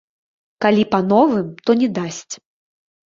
Калі па новым, то не дасць.